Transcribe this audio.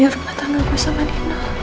di rumah tanganku sama nino